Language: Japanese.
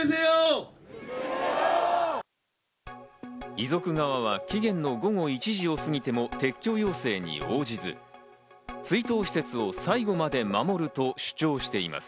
遺族側は期限の午後１時を過ぎても撤去要請に応じず、追悼施設を最後まで守ると主張しています。